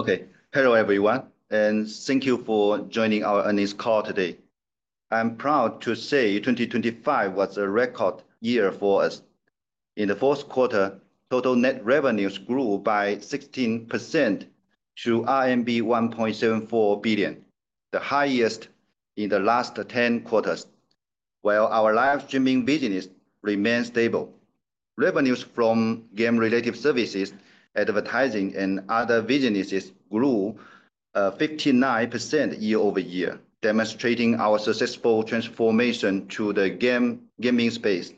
Okay. Hello everyone, and thank you for joining our earnings call today. I'm proud to say 2025 was a record year for us. In the fourth quarter, total net revenues grew by 16% to RMB 1.74 billion, the highest in the last 10 quarters. While our live streaming business remains stable, revenues from game-related services, advertising, and other businesses grew 59% year-over-year, demonstrating our successful transformation to the gaming space.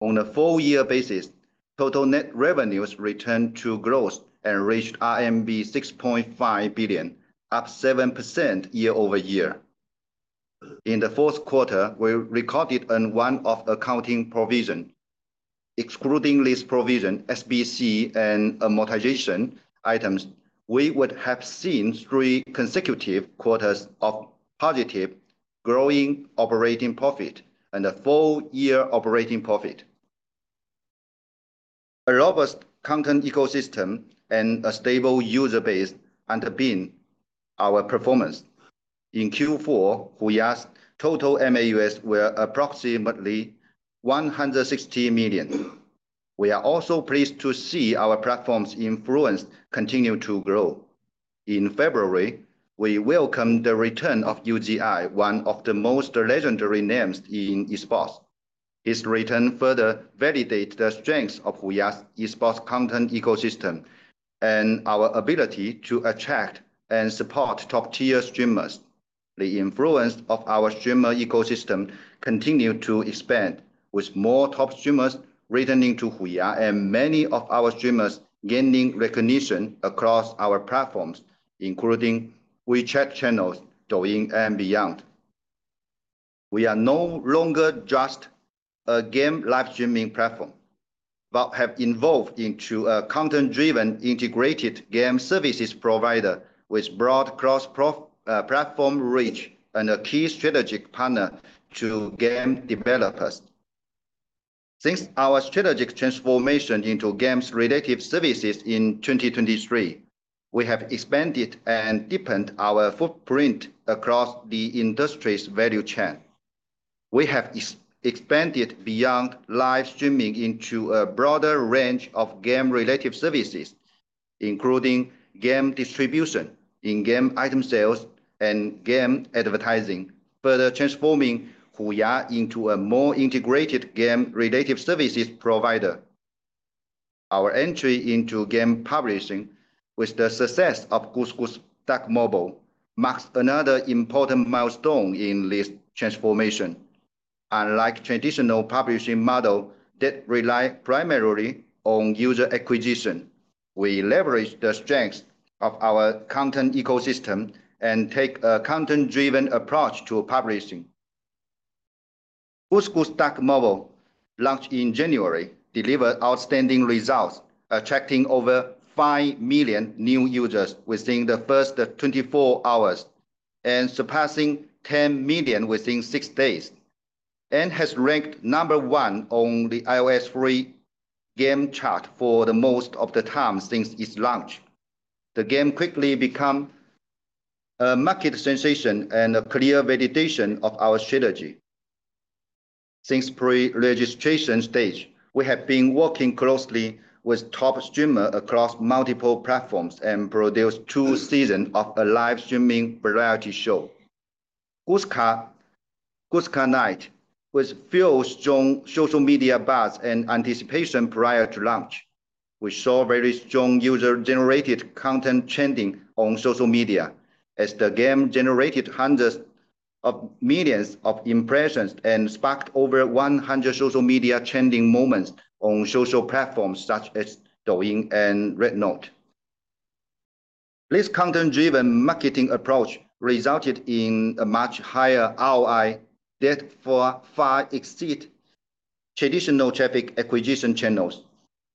On a full year basis, total net revenues returned to growth and reached RMB 6.5 billion, up 7% year-over-year. In the fourth quarter, we recorded a one-off accounting provision. Excluding this provision, SBC and amortization items, we would have seen three consecutive quarters of positive growing operating profit and a full year operating profit. A robust content ecosystem and a stable user base underpin our performance. In Q4, HUYA's total MAUs were approximately 160 million. We are also pleased to see our platform's influence continue to grow. In February, we welcomed the return of Uzi, one of the most legendary names in esports. His return further validates the strengths of HUYA's esports content ecosystem and our ability to attract and support top-tier streamers. The influence of our streamer ecosystem continued to expand, with more top streamers returning to HUYA and many of our streamers gaining recognition across our platforms, including WeChat channels, Douyin, and beyond. We are no longer just a game live streaming platform, but have evolved into a content-driven integrated game services provider with broad platform reach and a key strategic partner to game developers. Since our strategic transformation into games-related services in 2023, we have expanded and deepened our footprint across the industry's value chain. We have expanded beyond live streaming into a broader range of game-related services, including game distribution, in-game item sales, and game advertising, further transforming HUYA into a more integrated game-related services provider. Our entry into game publishing with the success of Goose Goose Duck Mobile marks another important milestone in this transformation. Unlike traditional publishing models that rely primarily on user acquisition, we leverage the strengths of our content ecosystem and take a content-driven approach to publishing. Goose Goose Duck Mobile, launched in January, delivered outstanding results, attracting over 5 million new users within the first 24 hours and surpassing 10 million within 6 days, and has ranked number one on the iOS free game chart for most of the time since its launch. The game quickly became a market sensation and a clear validation of our strategy. Since pre-registration stage, we have been working closely with top streamers across multiple platforms and produced two seasons of a live streaming variety show. Goose Goose Duck Night was fueled by strong social media buzz and anticipation prior to launch. We saw very strong user-generated content trending on social media as the game generated hundreds of millions of impressions and sparked over 100 social media trending moments on social platforms such as Douyin and RedNote. This content-driven marketing approach resulted in a much higher ROI that far, far exceeds traditional traffic acquisition channels.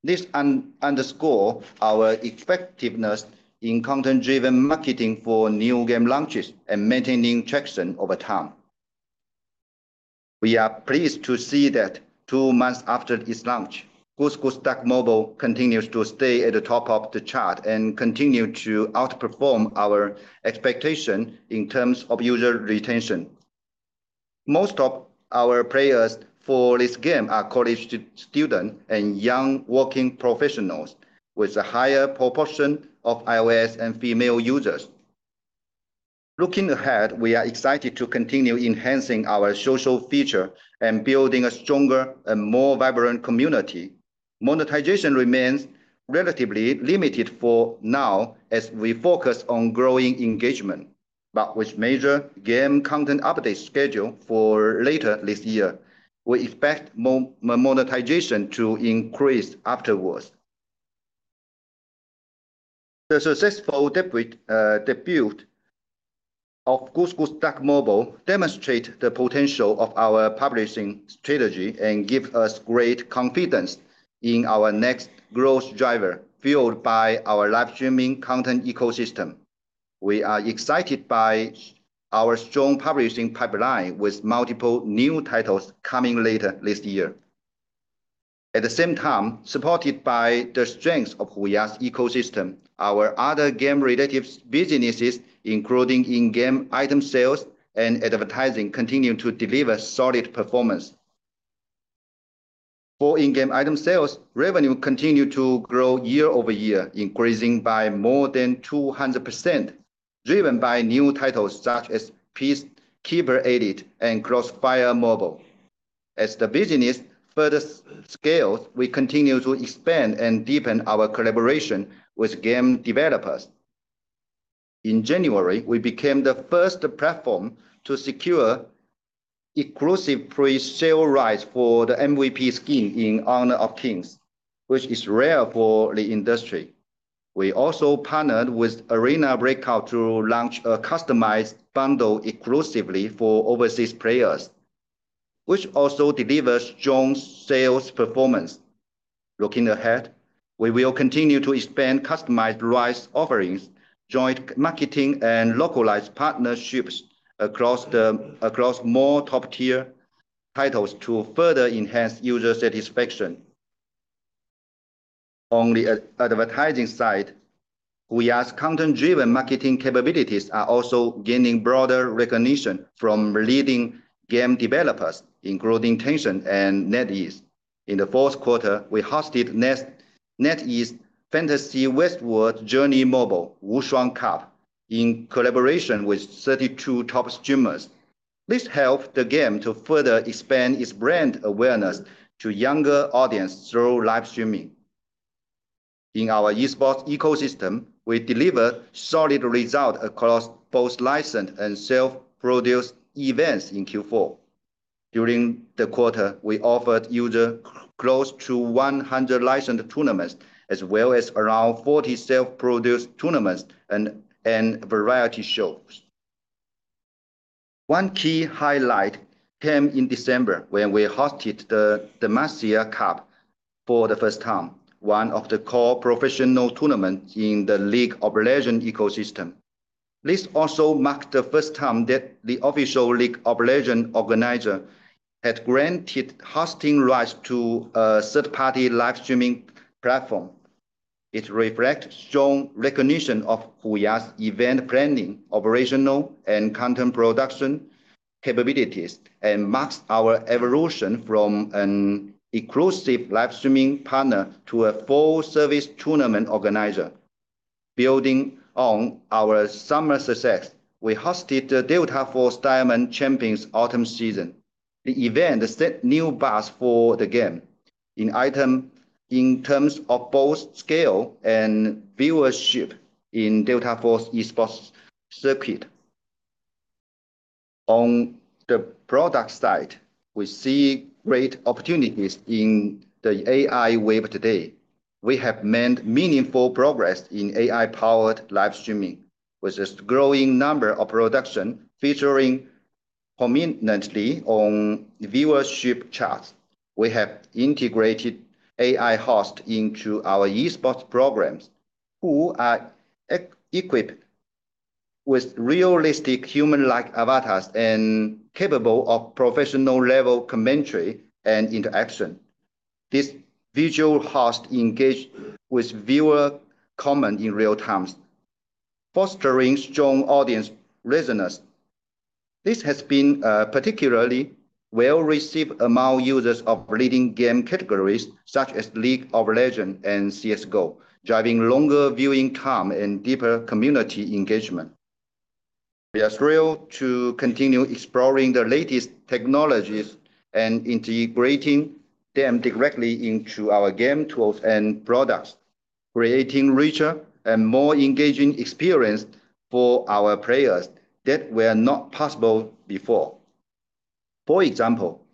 This underscores our effectiveness in content-driven marketing for new game launches and maintaining traction over time. We are pleased to see that two months after its launch, Goose Goose Duck Mobile continues to stay at the top of the chart and continues to outperform our expectations in terms of user retention. Most of our players for this game are college student and young working professionals, with a higher proportion of iOS and female users. Looking ahead, we are excited to continue enhancing our social feature and building a stronger and more vibrant community. Monetization remains relatively limited for now as we focus on growing engagement. With major game content updates scheduled for later this year, we expect monetization to increase afterwards. The successful debut of Goose Goose Duck Mobile demonstrate the potential of our publishing strategy and give us great confidence in our next growth driver, fueled by our live streaming content ecosystem. We are excited by our strong publishing pipeline with multiple new titles coming later this year. At the same time, supported by the strength of HUYA's ecosystem, our other game-related businesses, including in-game item sales and advertising, continue to deliver solid performance. For in-game item sales, revenue continued to grow year-over-year, increasing by more than 200%, driven by new titles such as Peacekeeper Elite and CrossFire Mobile. As the business further scales, we continue to expand and deepen our collaboration with game developers. In January, we became the first platform to secure exclusive pre-sale rights for the MVP skin in Honor of Kings, which is rare for the industry. We also partnered with Arena Breakout to launch a customized bundle exclusively for overseas players, which also delivers strong sales performance. Looking ahead, we will continue to expand customized rights offerings, joint marketing, and localized partnerships across more top-tier titles to further enhance user satisfaction. On the advertising side, HUYA's content-driven marketing capabilities are also gaining broader recognition from leading game developers, including Tencent and NetEase. In the fourth quarter, we hosted NetEase Fantasy Westward Journey Mobile Wushuang Cup in collaboration with 32 top streamers. This helped the game to further expand its brand awareness to younger audience through live streaming. In our esports ecosystem, we delivered solid result across both licensed and self-produced events in Q4. During the quarter, we offered users close to 100 licensed tournaments, as well as around 40 self-produced tournaments and variety shows. One key highlight came in December when we hosted the Demacia Cup for the first time, one of the core professional tournaments in the League of Legends ecosystem. This also marked the first time that the official League of Legends organizer had granted hosting rights to a third-party live streaming platform. It reflects strong recognition of HUYA's event planning, operational, and content production capabilities and marks our evolution from an exclusive live streaming partner to a full-service tournament organizer. Building on our summer success, we hosted the Delta Force Diamond Champions autumn season. The event set new bars for the game in terms of both scale and viewership in Delta Force esports circuit. On the product side, we see great opportunities in the AI wave today. We have made meaningful progress in AI-powered live streaming, with a growing number of production featuring prominently on viewership charts. We have integrated AI host into our esports programs who are equipped with realistic human-like avatars and capable of professional-level commentary and interaction. This visual host engage with viewer comment in real time, fostering strong audience resonance. This has been particularly well-received among users of leading game categories such as League of Legends and CS:GO, driving longer viewing time and deeper community engagement. We are thrilled to continue exploring the latest technologies and integrating them directly into our game tools and products, creating richer and more engaging experience for our players that were not possible before. For example,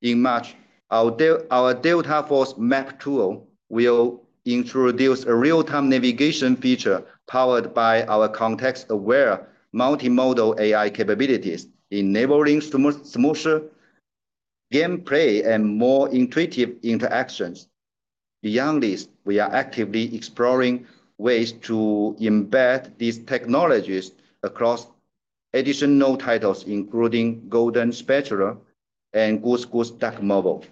in March, our Delta Force Map Tool will introduce a real-time navigation feature powered by our context-aware multimodal AI capabilities, enabling smoother gameplay and more intuitive interactions. Beyond this, we are actively exploring ways to embed these technologies across additional titles, including Golden Spatula and Goose Goose Duck Mobile.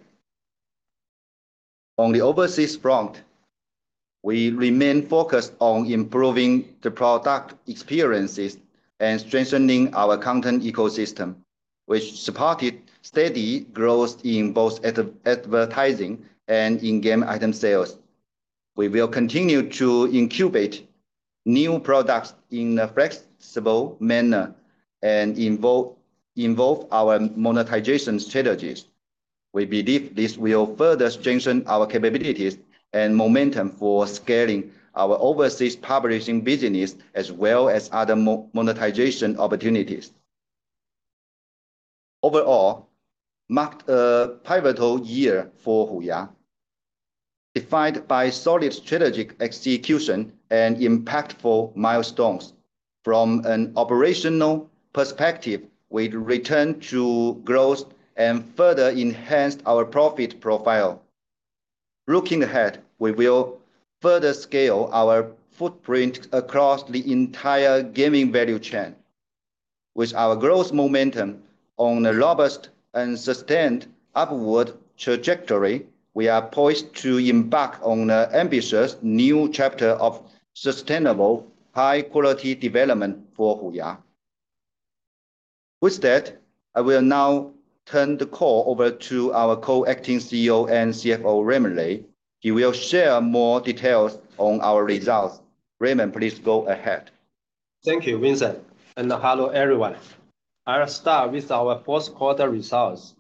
On the overseas front, we remain focused on improving the product experiences and strengthening our content ecosystem, which supported steady growth in both advertising and in-game item sales. We will continue to incubate new products in a flexible manner and involve our monetization strategies. We believe this will further strengthen our capabilities and momentum for scaling our overseas publishing business as well as other monetization opportunities. Overall, marked a pivotal year for HUYA, defined by solid strategic execution and impactful milestones. From an operational perspective, we returned to growth and further enhanced our profit profile. Looking ahead, we will further scale our footprint across the entire gaming value chain. With our growth momentum on a robust and sustained upward trajectory, we are poised to embark on an ambitious new chapter of sustainable, high-quality development for HUYA. With that, I will now turn the call over to our acting co-CEO and CFO, Raymond Lei. He will share more details on our results. Raymond, please go ahead. Thank you, Vincent, and hello, everyone. I'll start with our fourth quarter results,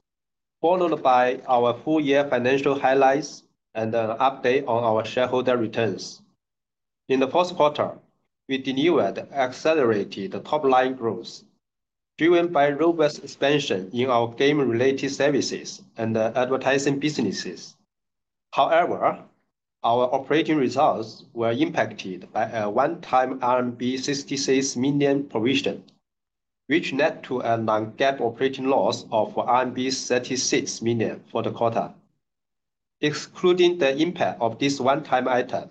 followed by our full-year financial highlights and an update on our shareholder returns. In the first quarter, we delivered accelerated top-line growth, driven by robust expansion in our game-related services and advertising businesses. However, our operating results were impacted by a one-time RMB 66 million provision, which led to a non-GAAP operating loss of RMB 36 million for the quarter. Excluding the impact of this one-time item,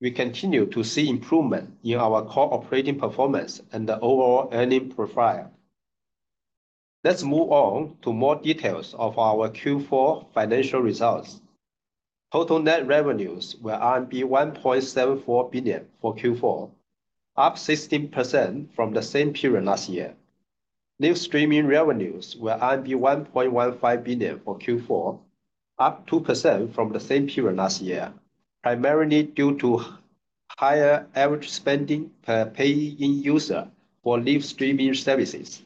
we continue to see improvement in our core operating performance and the overall earning profile. Let's move on to more details of our Q4 financial results. Total net revenues were 1.74 billion for Q4, up 16% from the same period last year. Live streaming revenues were 1.15 billion for Q4, up 2% from the same period last year, primarily due to higher average spending per paying user for live streaming services.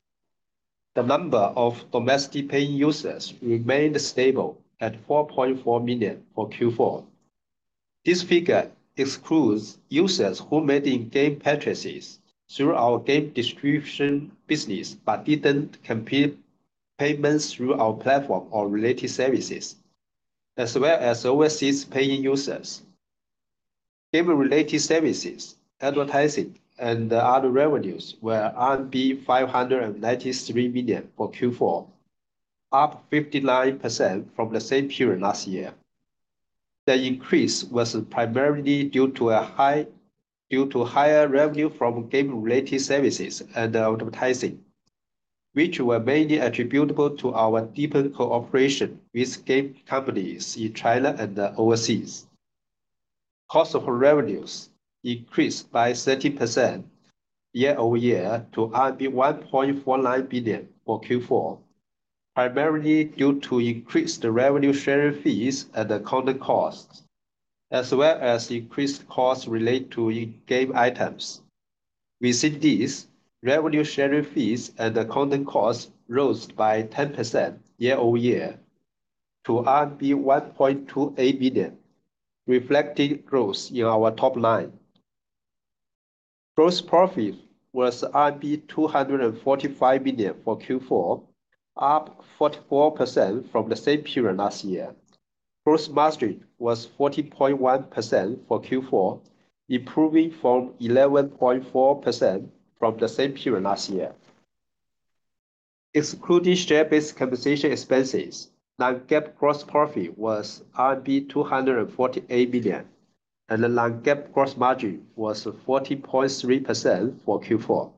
The number of domestic paying users remained stable at 4.4 million for Q4. This figure excludes users who made in-game purchases through our game distribution business but didn't complete payments through our platform or related services, as well as overseas paying users. Game-related services, advertising, and other revenues were 593 million for Q4, up 59% from the same period last year. The increase was primarily due to higher revenue from game-related services and advertising, which were mainly attributable to our deeper cooperation with game companies in China and overseas. Cost of revenues increased by 30% year-over-year to 1.49 billion for Q4, primarily due to increased revenue sharing fees and content costs, as well as increased costs related to in-game items. Within these, revenue sharing fees and content costs rose by 10% year-over-year to 1.28 billion, reflecting growth in our top line. Gross profit was 245 million for Q4, up 44% from the same period last year. Gross margin was 40.1% for Q4, improving from 11.4% from the same period last year. Excluding share-based compensation expenses, non-GAAP gross profit was RMB 248 million, and the non-GAAP gross margin was 40.3% for Q4.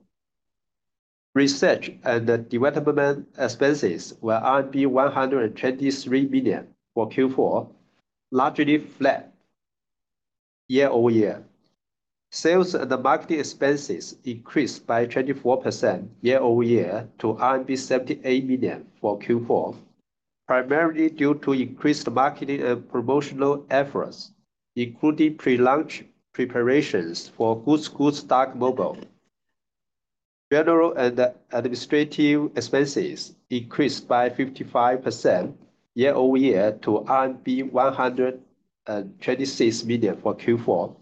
Research and development expenses were 123 million for Q4, largely flat year-over-year. Sales and marketing expenses increased by 24% year-over-year to RMB 78 million for Q4, primarily due to increased marketing and promotional efforts, including pre-launch preparations for Goose Goose Duck Mobile. General and administrative expenses increased by 55% year-over-year to 126 million for Q4,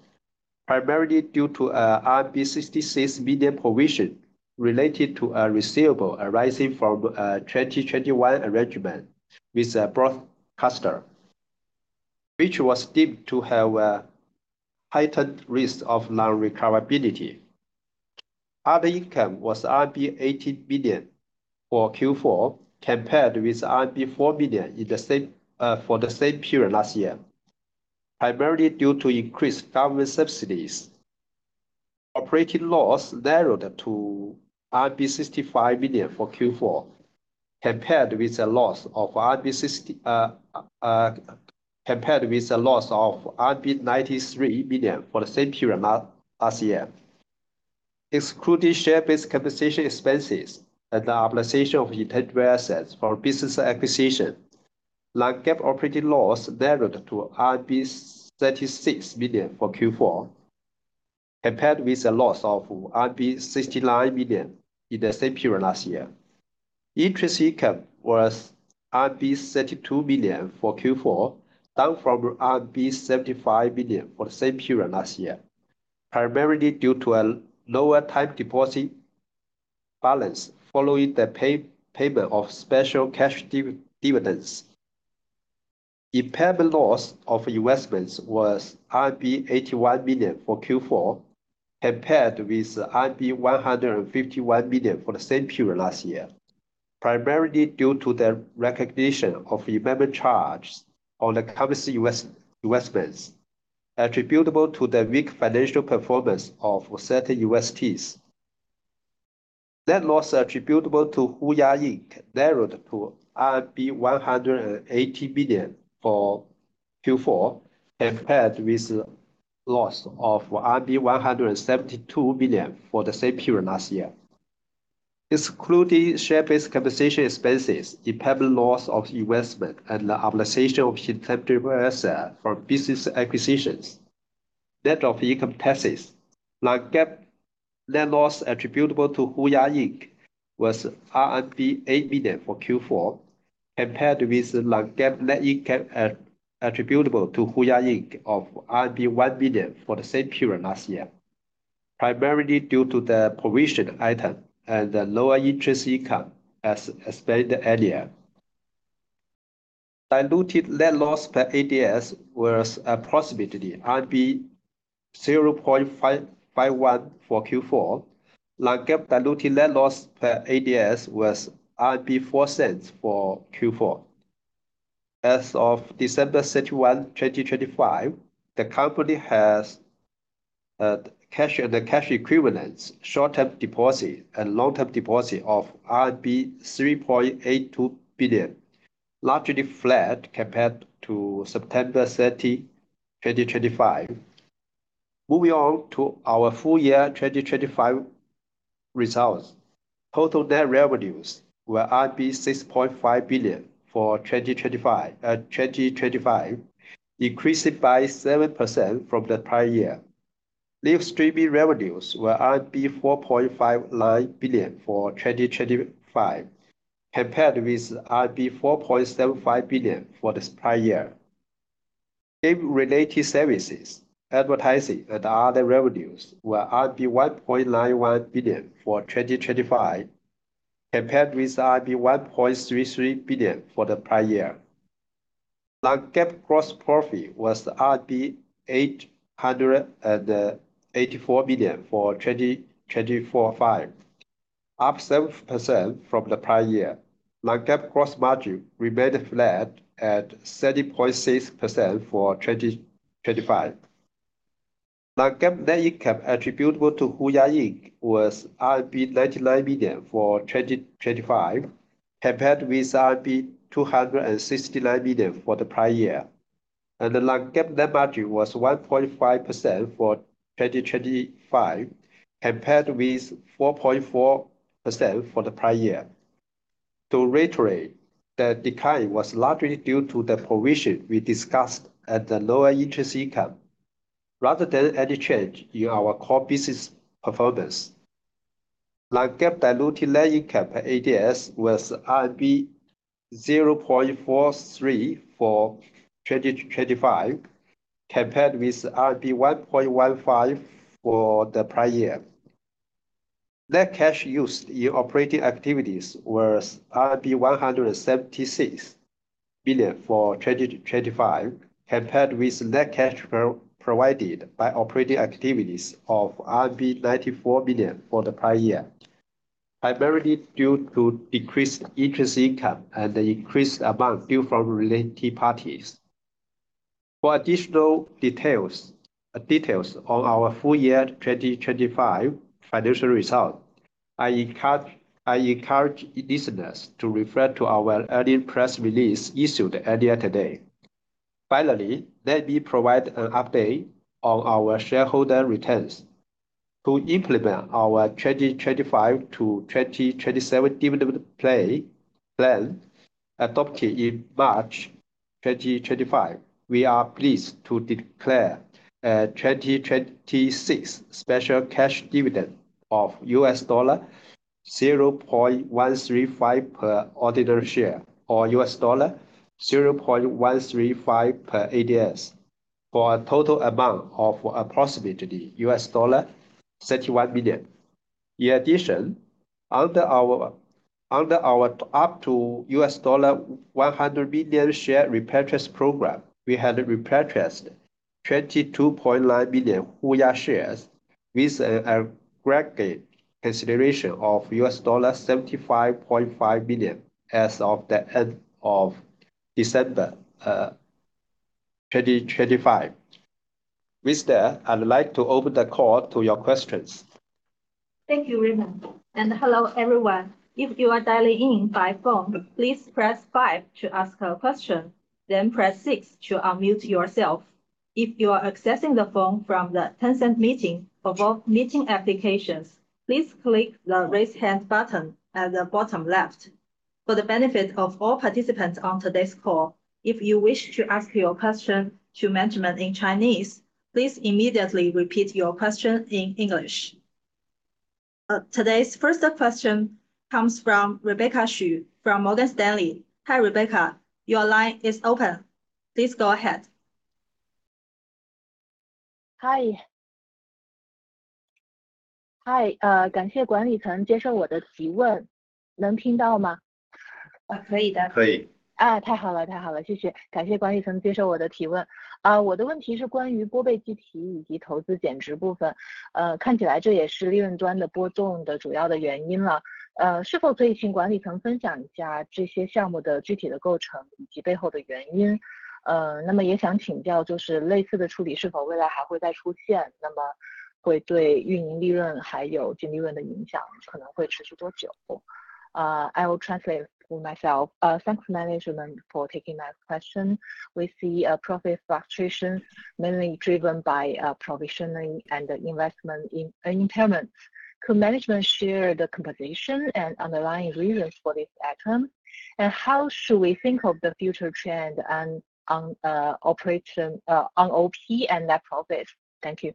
primarily due to a RMB 66 million provision related to a receivable arising from a 2021 arrangement with a broadcaster, which was deemed to have a heightened risk of non-recoverability. Other income was RMB 80 million for Q4, compared with RMB 4 million in the same period last year, primarily due to increased government subsidies. Operating loss narrowed to 65 million for Q4, compared with a loss of 93 million for the same period last year. Excluding share-based compensation expenses and the amortization of intangible assets from business acquisition, non-GAAP operating loss narrowed to 36 million for Q4, compared with a loss of 69 million in the same period last year. Interest income was 32 million for Q4, down from 75 million for the same period last year, primarily due to a lower time deposit balance following the payment of special cash dividends. Impairment loss of investments was RMB 81 million for Q4, compared with RMB 151 million for the same period last year. Primarily due to the recognition of impairment charge on the company's U.S. investments attributable to the weak financial performance of certain investees. Net loss attributable to HUYA Inc. narrowed to 180 billion for Q4 compared with loss of 172 billion for the same period last year. Excluding share-based compensation expenses, impairment loss of investment and the amortization of intangible asset from business acquisitions, net of income taxes. Non-GAAP net loss attributable to HUYA Inc. was RMB 8 billion for Q4 compared with the non-GAAP net income attributable to HUYA Inc. of 1 billion for the same period last year, primarily due to the provision item and the lower interest income as explained earlier. Diluted net loss per ADS was approximately RMB 0.51 for Q4. Non-GAAP diluted net loss per ADS was 0.04 for Q4. As of December 31st, 2025, the company has cash and cash equivalents, short-term deposits and long-term deposits of 3.82 billion, largely flat compared to September 30th, 2025. Moving on to our full year 2025 results. Total net revenues were 6.5 billion for 2025, increasing by 7% from the prior year. Live streaming revenues were 4.59 billion for 2025 compared with 4.75 billion for the prior year. Game related services, advertising and other revenues were 1.91 billion for 2025 compared with 1.33 billion for the prior year. Non-GAAP gross profit was 884 million for 2025, up 7% from the prior year. Non-GAAP gross margin remained flat at 30.6% for 2025. Non-GAAP net income attributable to HUYA Inc. was 99 billion for 2025 compared with 269 billion for the prior year. The non-GAAP net margin was 1.5% for 2025 compared with 4.4% for the prior year. To reiterate, the decline was largely due to the provision we discussed at the lower interest income rather than any change in our core business performance. Non-GAAP diluted net income per ADS was 0.43 for 2025 compared with 1.15 for the prior year. Net cash used in operating activities was 176 billion for 2025 compared with net cash provided by operating activities of 94 billion for the prior year, primarily due to decreased interest income and increased amount due from related parties. For additional details on our full year 2025 financial results, I encourage listeners to refer to our earlier press release issued earlier today. Finally, let me provide an update on our shareholder returns. To implement our 2025-2027 dividend plan adopted in March 2025, we are pleased to declare a 2026 special cash dividend of $0.135 per ordinary share or $0.135 per ADS, for a total amount of approximately $31 million. In addition, under our up to $100 million share repurchase program, we have repurchased 22.9 million HUYA shares with an aggregate consideration of $75.5 million as of the end of December 2025. With that, I'd like to open the call to your questions. Thank you, Raymond, and hello, everyone. If you are dialing in by phone, please press five to ask a question, then press six to unmute yourself. If you are accessing the phone from the Tencent Meeting or VooV Meeting applications, please click the Raise Hand button at the bottom left. For the benefit of all participants on today's call, if you wish to ask your question to management in Chinese, please immediately repeat your question in English. Today's first question comes from Rebecca Xu from Morgan Stanley. Hi, Rebecca. Your line is open. Please go ahead. Hi. Hi. 可以的。Thanks management for taking my question, we see a profit fluctuation mainly driven by provisioning and investment impairment. Could management share the composition and underlying reasons for this item and how should we think of the future trend and on operation on OP and net profit. Thank you.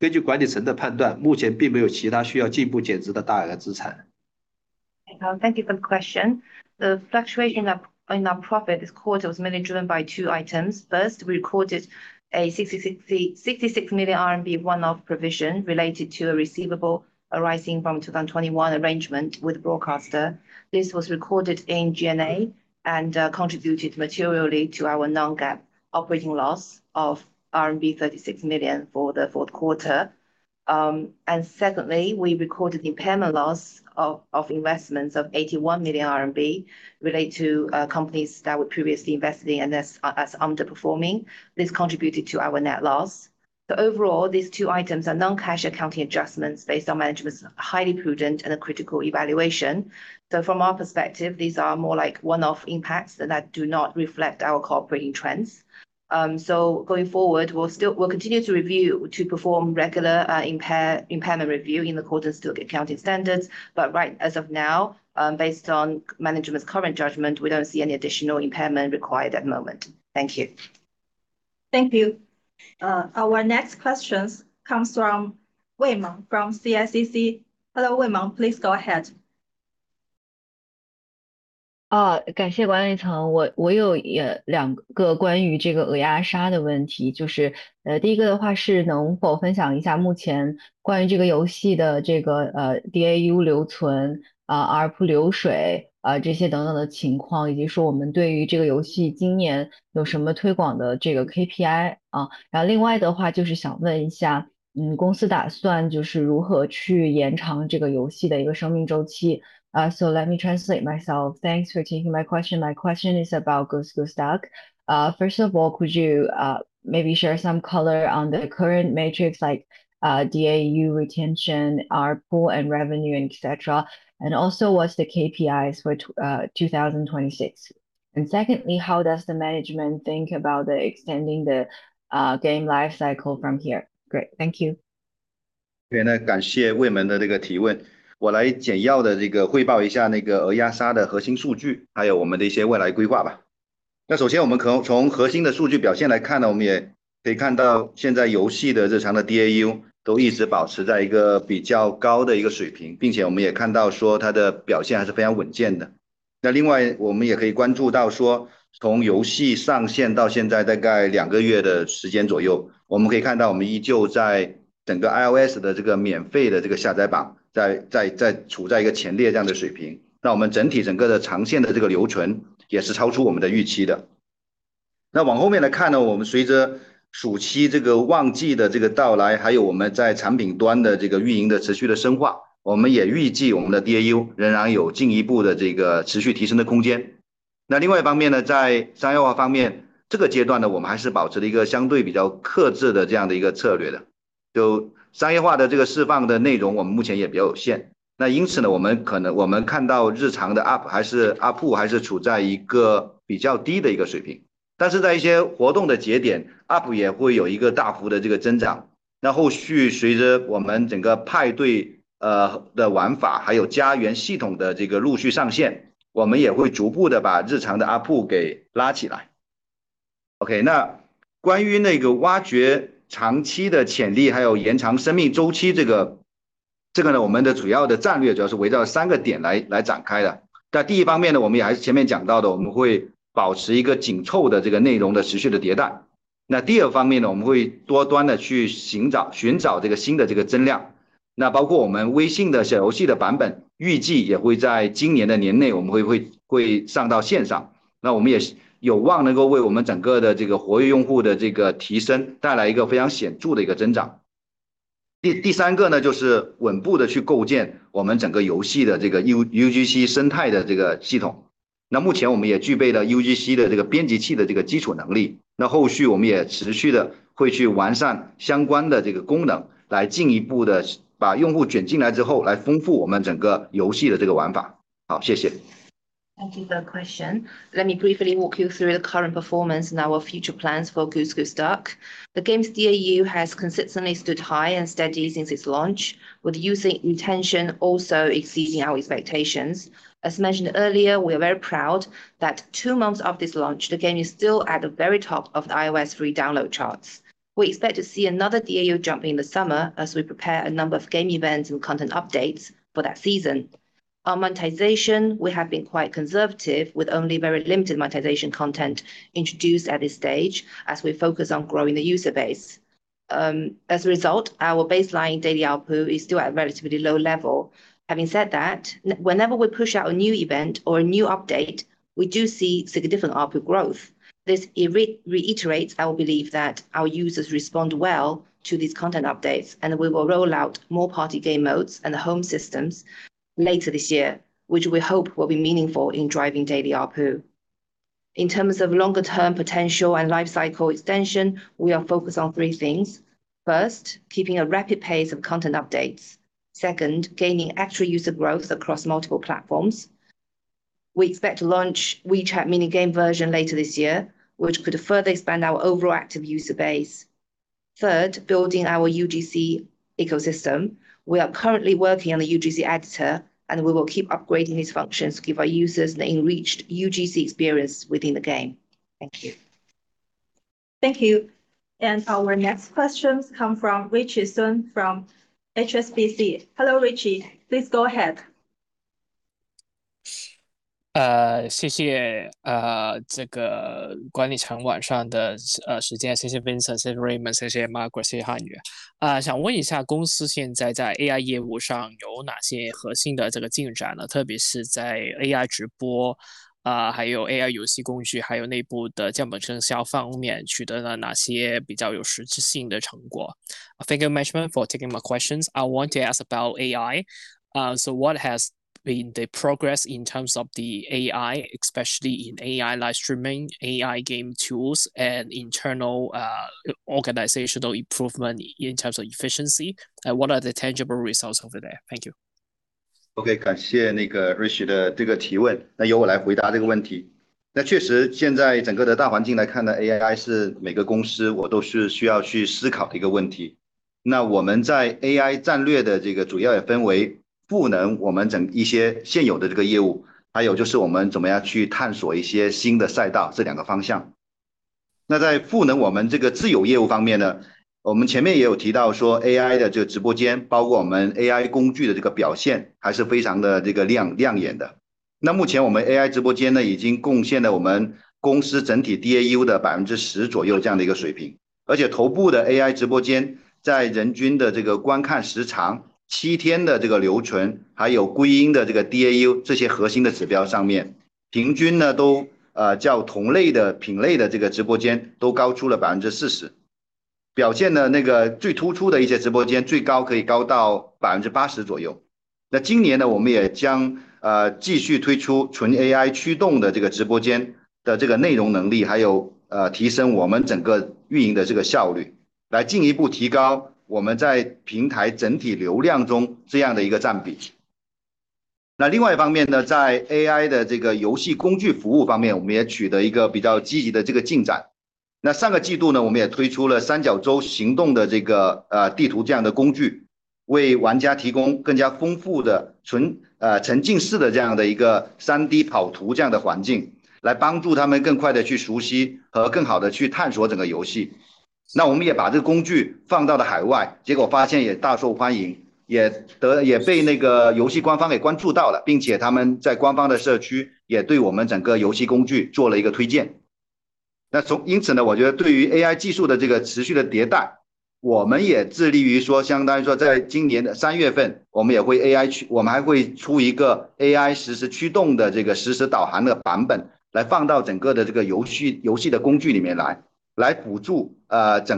Thank you for the question. The fluctuation in our profit this quarter was mainly driven by two items. First, we recorded a 66 million RMB one-off provision related to a receivable arising from 2021 arrangement with broadcaster. This was recorded in G&A and contributed materially to our non-GAAP operating loss of RMB 36 million for the fourth quarter. Secondly, we recorded impairment loss of investments of 81 million RMB related to companies that were previously invested in and as underperforming. This contributed to our net loss. Overall these two items are non-cash accounting adjustments based on management's highly prudent and critical evaluation. From our perspective, these are more like one-off impacts that do not reflect our operating trends. Going forward, we'll continue to perform regular impairment review in accordance with accounting standards. Right as of now, based on management's current judgment, we don't see any additional impairment required at the moment. Thank you. Thank you. Our next question comes from Meng Wei from CICC. Hello, Meng Wei please go ahead. So let me translate myself. Thanks for taking my question. My question is about Goose Goose Duck. First of all, could you maybe share some color on the current metrics like DAU retention, ARPU and revenue and etc. Also, what's the KPIs for 2026? Secondly, how does the management think about extending the game life cycle from here? Great, thank you. Thank you for the question. Let me briefly walk you through the current performance and our future plans for Goose Goose Duck. The game's DAU has consistently stood high and steady since its launch, with user retention also exceeding our expectations. As mentioned earlier, we are very proud that two months after its launch the game is still at the very top of the iOS free download charts. We expect to see another DAU jump in the summer as we prepare a number of game events and content updates for that season. On monetization, we have been quite conservative, with only very limited monetization content introduced at this stage as we focus on growing the user base. As a result, our baseline daily ARPU is still at a relatively low level. Having said that, whenever we push out a new event or a new update, we do see significant ARPU growth. This reiterates our belief that our users respond well to these content updates, and we will roll out more party game modes and home systems later this year, which we hope will be meaningful in driving daily ARPU. In terms of longer term potential and life cycle extension, we are focused on three things. First, keeping a rapid pace of content updates. Second, gaining additional user growth across multiple platforms. We expect to launch WeChat mini game version later this year, which could further expand our overall active user base. Third, building our UGC ecosystem. We are currently working on the UGC editor, and we will keep upgrading these functions to give our users the enriched UGC experience within the game. Thank you. Thank you. Our next questions come from Ritchie Sun from HSBC. Hello, Richie, please go ahead. Thank you, management, for taking my questions. I want to ask about AI. What has been the progress in terms of the AI, especially in AI live streaming, AI game tools, and internal organizational improvement in terms of efficiency, and what are the tangible results over there? Thank you. 感谢Richie的提问，由我来回答这个问题。确实，现在整个大环境来看，AI是每个公司都需要去思考的一个问题。我们在AI战略方面，主要也分为赋能我们现有的业务，还有就是我们怎么样去探索一些新的赛道，这两个方向。在赋能我们自有业务方面，我们前面也有提到AI直播间，包括我们AI工具的表现还是非常亮眼的。目前我们AI直播间已经贡献了我们公司整体DAU的10%左右这样的一个水平，而且头部的AI直播间在人均观看时长、七天留存，还有归因DAU这些核心指标上面，平均都较同类品类的直播间高出了40%。表现最突出的一些直播间，最高可以高到80%左右。今年，我们也将继续推出纯AI驱动的直播间内容能力，还有提升我们整个运营效率，来进一步提高我们在平台整体流量中的占比。另一方面，在AI游戏工具服务方面，我们也取得了比较积极的进展。上个季度，我们也推出了三角洲行动的Delta Force Map Tool，为玩家提供更加丰富的沉浸式3D跑图环境，来帮助他们更快地熟悉和更好地探索整个游戏。我们也把这个工具放到了海外，结果发现也大受欢迎，也被游戏官方关注到了，并且他们在官方社区也对我们整个游戏工具做了推荐。因此，对于AI技术的持续迭代，我们也致力于在今年三月份推出AI实时驱动的实时导航版本，放到整个游戏工具里面，来辅助整个用户在打游戏的过程中，进一步提高我们整个获客能力，包括我们用户的活跃度。另外在新赛道方面，我们也在布局AI硬件和AI互动产品，比如说我们结合鹅鸭杀这个IP，也将即将推出一个AI智能硬件。与此同时，大家也都知道最近OpenClaw也非常火，我们也在探索将OpenClaw，包括这种multi-agent的能力和虎牙前面积累的整个数字人技术能力相结合，融入到我们整个游戏场景里面，来提升整个互动体验，并且能够支持更多定制化的玩法。展望未来，我们还将计划将这些AI驱动的功能和辅助工具拓展到更多的游戏里面，比如金铲铲之战，包括前面讲到的鹅鸭杀这些热门IP游戏里面。Thank you for the question. AI is something every company should think about. For us, it's about two things. One is empowering our existing business, and two, exploring new opportunities.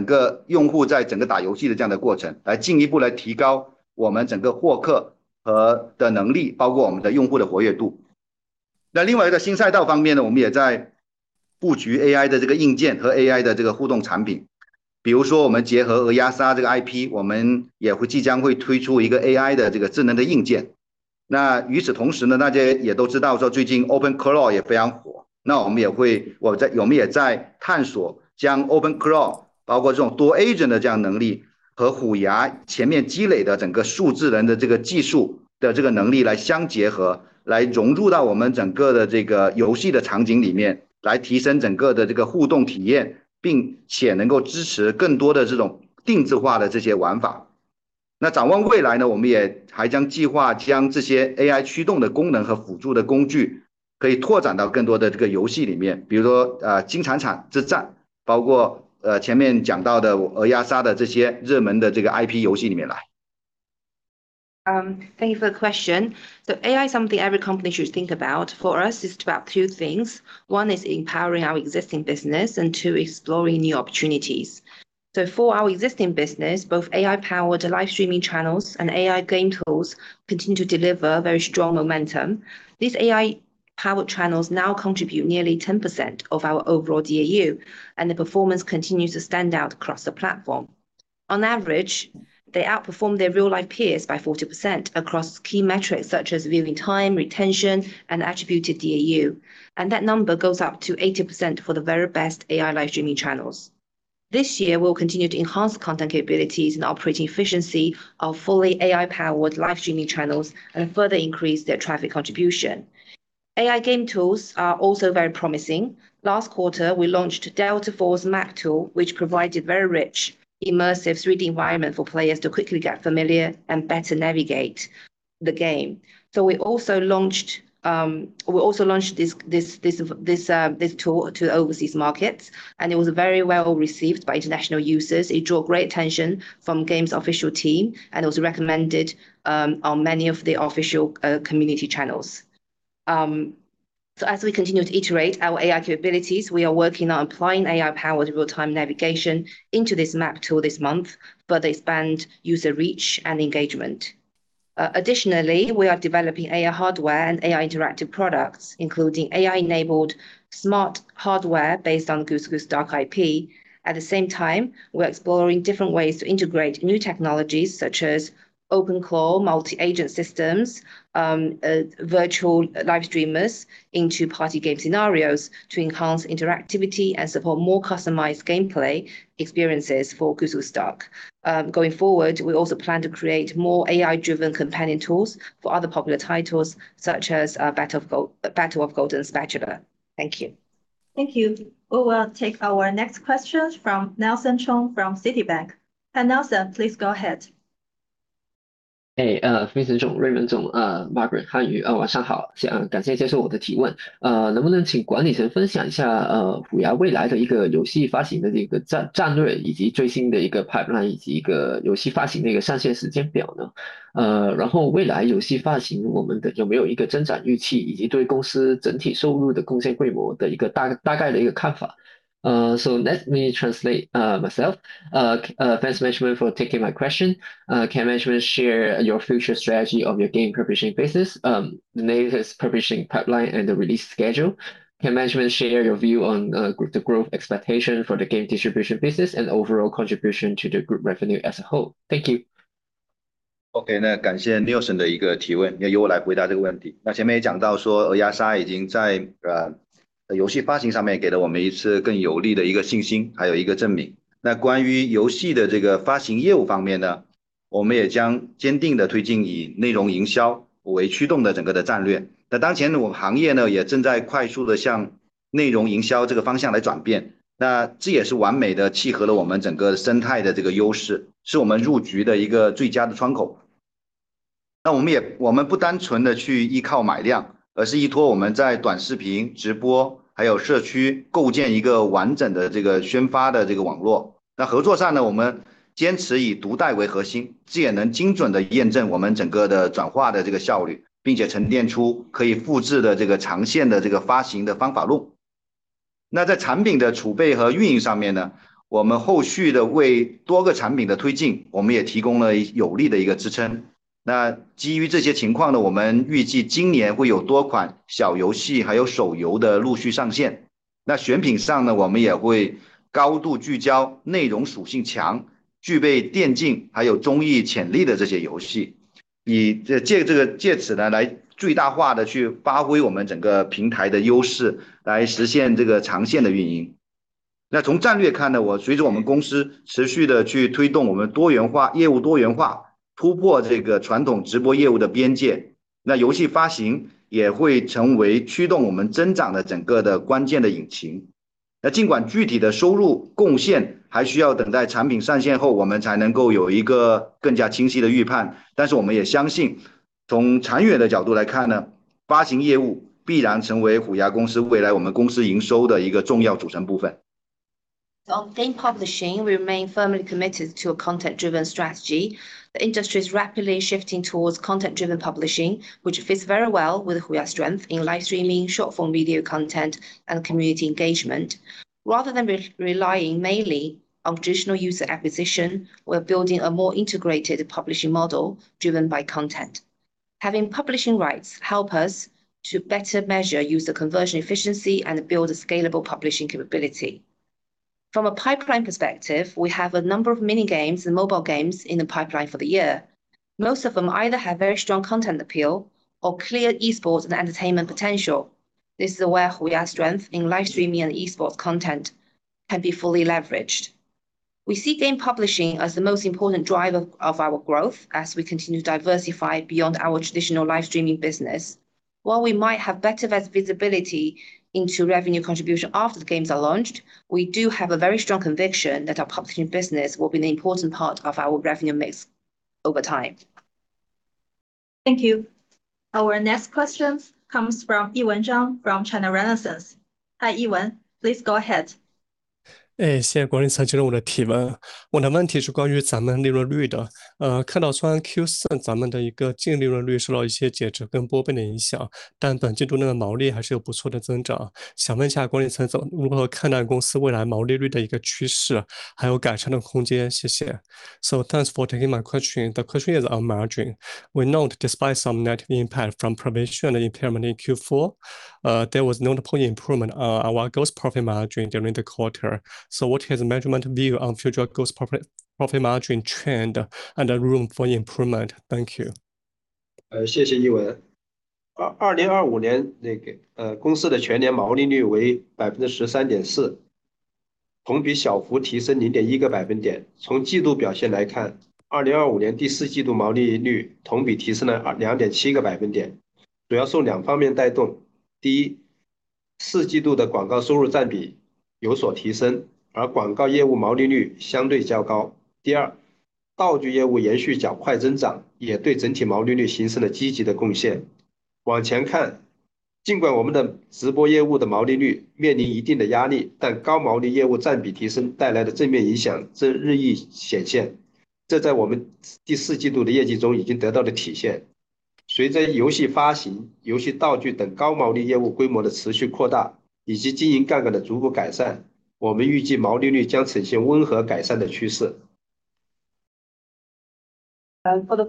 For our existing business, both AI-powered live streaming channels and AI game tools continue to deliver very strong momentum. These AI-powered channels now contribute nearly 10% of our overall DAU, and the performance continues to stand out across the platform. On average, they outperform their real life peers by 40% across key metrics such as viewing time, retention, and attributed DAU, and that number goes up to 80% for the very best AI live streaming channels. This year, we'll continue to enhance content capabilities and operating efficiency of fully AI-powered live streaming channels and further increase their traffic contribution. AI game tools are also very promising. Last quarter, we launched Delta Force Map Tool, which provided very rich, immersive, 3D environment for players to quickly get familiar and better navigate the game. We also launched this tool to overseas markets, and it was very well-received by international users. It drew great attention from the game's official team, and it was recommended on many of the official community channels. As we continue to iterate our AI capabilities, we are working on applying AI-powered real-time navigation into this map tool this month to expand user reach and engagement. Additionally, we are developing AI hardware and AI interactive products, including AI-enabled smart hardware based on Goose Goose Duck IP. At the same time, we're exploring different ways to integrate new technologies such as OpenClaw, multi-agent systems, virtual live streamers into party game scenarios to enhance interactivity and support more customized gameplay experiences for Goose Goose Duck. Going forward, we also plan to create more AI-driven companion tools for other popular titles such as Battle of Golden Spatula. Thank you. Thank you. We will take our next question from Nelson Cheung from Citigroup. Hi, Nelson, please go ahead. Let me translate myself. Thanks, management, for taking my question. Can management share your future strategy of your game publishing business, latest publishing pipeline and the release schedule? Can management share your view on the growth expectation for the game distribution business and overall contribution to the group revenue as a whole? Thank you. Okay, now- Thank you. Our next question comes from Yiwen Zhang from China Renaissance. Hi, Yiwen. Please go ahead. 诶，谢谢管理层接受我的提问。我的问题是关于咱们利润率的。看到虽然 Q4 咱们的一个净利润率受到一些减值跟波动的影响，但本季度内的毛利还是有不错的增长。想问一下管理层怎么，如何看待公司未来毛利率的一个趋势，还有改善的空间。谢谢。Thanks for taking my question, the question is on margin. We know despite some negative impact from provision impairment in Q4, there was notable improvement on our gross profit margin during the quarter. What is the management view on future gross profit margin trend and room for improvement? Thank you. 谢谢Yiwen For the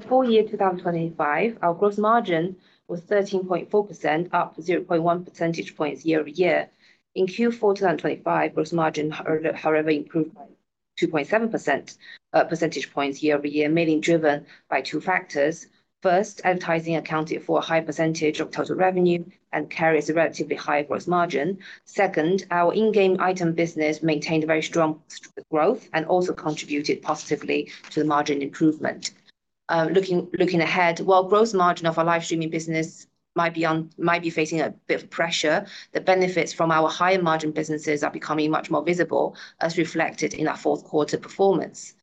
full year 2025, our gross margin was 13.4%, up 0.1 percentage points year-over-year. In Q4 2025 gross margin however improved by 2.7 percentage points year-over-year, mainly driven by two factors. First, advertising accounted for a high percentage of total revenue and carries a relatively high gross margin. Second, our in-game item business maintained very strong growth and also contributed positively to the margin improvement. Looking ahead, while gross margin of our live streaming business might be facing a bit of pressure, the benefits from our higher margin businesses are becoming much more visible, as reflected in our fourth quarter performance.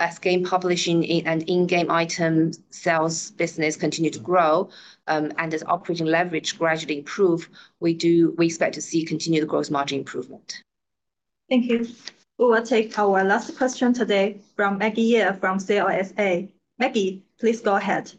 As game publishing and in-game item sales business continue to grow, and as operating leverage gradually improve, we expect to see continued gross margin improvement. Thank you. We will take our last question today from Maggie Ye from CLSA. Maggie, please go ahead.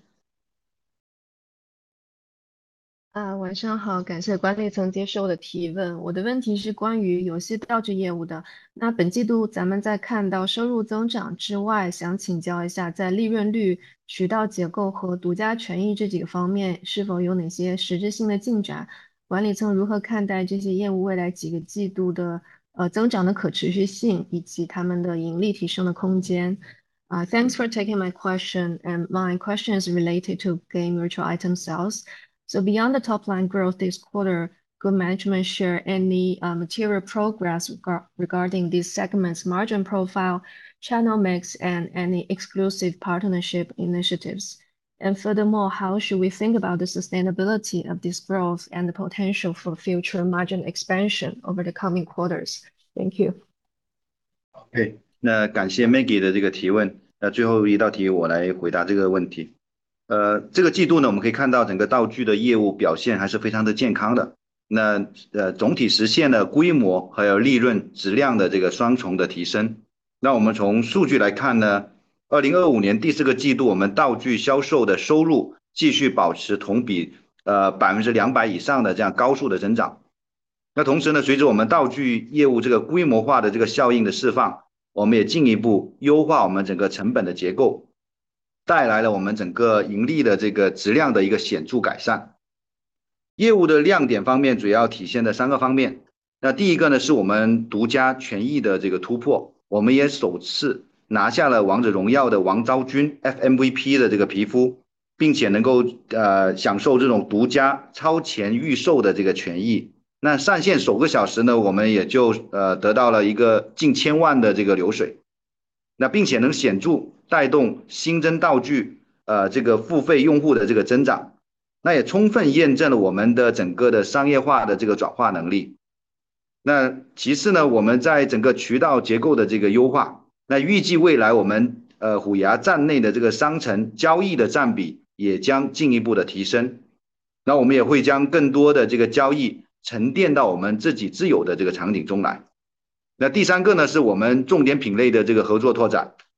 晚上好，感谢管理层接受我的提问。我的问题是关于游戏道具业务的。那本季度咱们在看到收入增长之外，想请教一下在利润率、渠道结构和独家权益这几个方面是否有哪些实质性的进展？管理层如何看待这些业务未来几个季度的增长的可持续性，以及它们的盈利提升的空间。Thanks for taking my question, and my question is related to game virtual item sales. Beyond the top line growth this quarter, could management share any, material progress regarding these segments margin profile, channel mix and any exclusive partnership initiatives? Furthermore, how should we think about the sustainability of this growth and the potential for future margin expansion over the coming quarters? Thank you.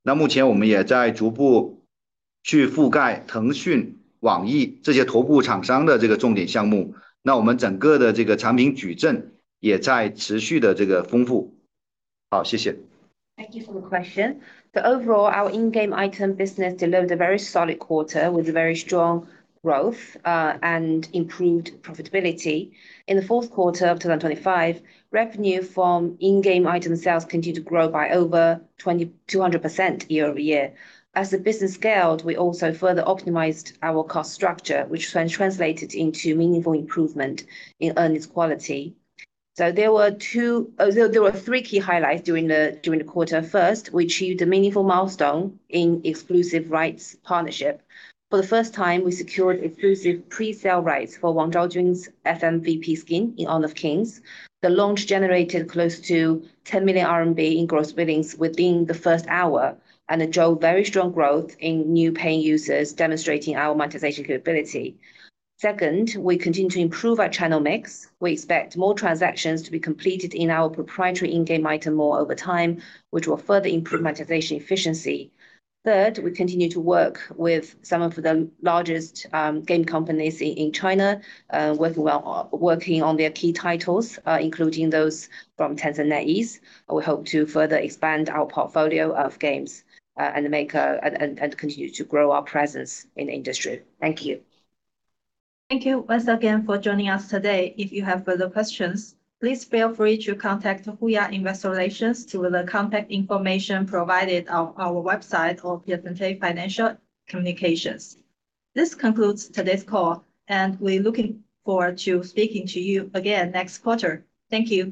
Thank you for the question. Overall our in-game item business delivered a very solid quarter with very strong growth and improved profitability. In the fourth quarter of 2025, revenue from in-game item sales continued to grow by over 200% year-over-year. As the business scaled, we also further optimized our cost structure, which then translated into meaningful improvement in earnings quality. There were three key highlights during the quarter. First, we achieved a meaningful milestone in exclusive rights partnership. For the first time, we secured exclusive pre-sale rights for Wang Zhaojun's FMVP skin in Honor of Kings. The launch generated close to 10 million RMB in gross billings within the first hour, and it drove very strong growth in new paying users demonstrating our monetization capability. Second, we continue to improve our channel mix. We expect more transactions to be completed in our proprietary in-game item mall over time, which will further improve monetization efficiency. Third, we continue to work with some of the largest game companies in China, working on their key titles, including those from Tencent and NetEase. We hope to further expand our portfolio of games, and continue to grow our presence in the industry. Thank you. Thank you once again for joining us today. If you have further questions, please feel free to contact HUYA Investor Relations through the contact information provided on our website or Piacente Financial Communications. This concludes today's call and we're looking forward to speaking to you again next quarter. Thank you.